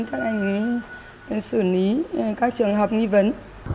các anh xử lý các trường hợp nghi vấn